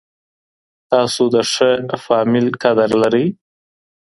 تاسو د ښه فاميل قدر لرئ.